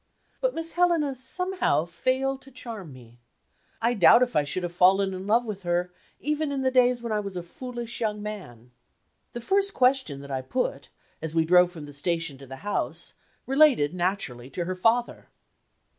But Miss Helena somehow failed to charm me. I doubt if I should have fallen in love with her, even in the days when I was a foolish young man. The first question that I put, as we drove from the station to the house, related naturally to her father.